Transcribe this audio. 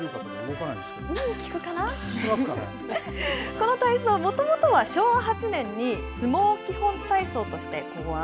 この体操、もともとは昭和８年に相撲基本体操として考案。